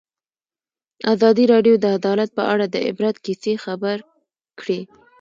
ازادي راډیو د عدالت په اړه د عبرت کیسې خبر کړي.